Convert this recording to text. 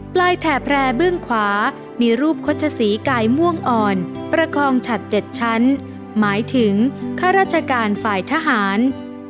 แถบแพร่เบื้องขวามีรูปโฆษศรีกายม่วงอ่อนประคองฉัด๗ชั้นหมายถึงข้าราชการฝ่ายทหาร